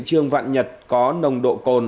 trương vạn nhật có nồng độ cồn